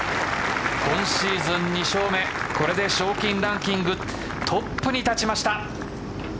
今シーズン２勝目これで賞金ランキングトップに立ちました。